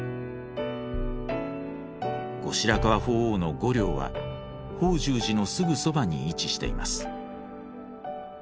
後白河法皇の御陵は法住寺のすぐそばに位置しています。